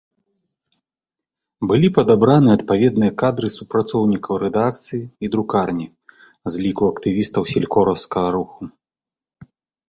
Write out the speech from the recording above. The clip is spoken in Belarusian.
Былі падабраны адпаведныя кадры супрацоўнікаў рэдакцыі і друкарні з ліку актывістаў селькораўскага руху.